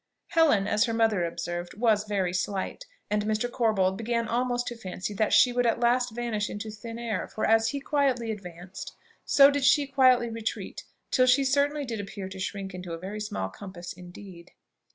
Helen, as her mother observed, was "very slight," and Mr. Corbold began almost to fancy that she would at last vanish into thin air, for, as he quietly advanced, so did she quietly retreat till she certainly did appear to shrink into a very small compass indeed.